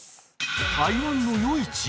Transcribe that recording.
台湾の夜市？